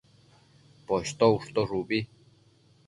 Poshto ushtosh ubi